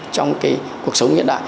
trong cái cuộc sống hiện đại